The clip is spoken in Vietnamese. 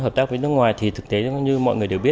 hợp tác với nước ngoài thì thực tế như mọi người đều biết